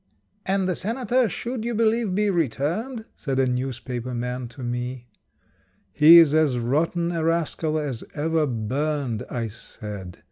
"And the senator should, you believe, be returned?" Said a newspaper man to me. "He's as rotten a rascal as ever burned," I said.